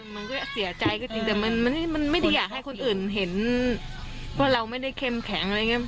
มันก็เสียใจก็จริงแต่มันไม่ได้อยากให้คนอื่นเห็นว่าเราไม่ได้เข้มแข็งอะไรอย่างนี้